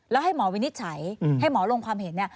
แล้วให้หมอวินิจฉัยให้หมอลงความเห็นเนี่ย